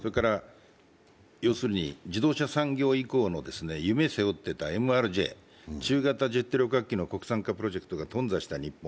要するに自動車産業以降の夢を背負っていたＭＲＪ中型ジェット旅客機の国産化がとん挫した日本。